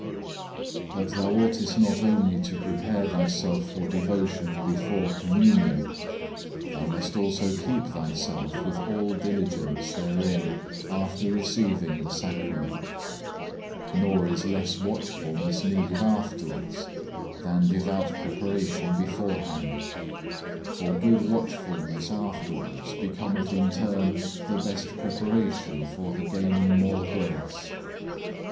4. But thou oughtest not only to prepare thyself for devotion before Communion, thou must also keep thyself with all diligence therein after receiving the Sacrament; nor is less watchfulness needed afterwards, than devout preparation beforehand: for good watchfulness afterwards becometh in turn the best preparation for the gaining more grace.